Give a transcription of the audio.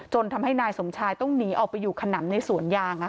ทำให้นายสมชายต้องหนีออกไปอยู่ขนำในสวนยาง